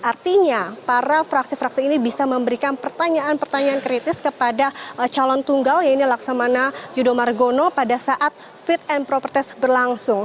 artinya para fraksi fraksi ini bisa memberikan pertanyaan pertanyaan kritis kepada calon tunggal yaitu laksamana yudo margono pada saat fit and proper test berlangsung